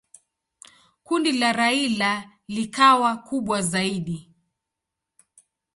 Kundi la Raila likawa kubwa zaidi.